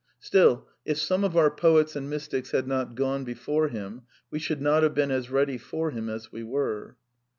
Still, if some of our poets and mystics had not gone before him, we should not have been as ready for him as we were.